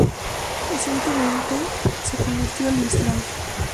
Recientemente se convirtió al Islam.